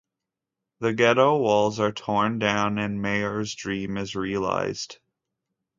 The ghetto walls are torn down, and Mayer's dream is realized.